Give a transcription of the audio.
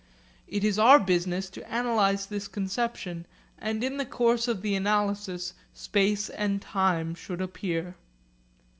It is our business to analyse this conception and in the course of the analysis space and time should appear.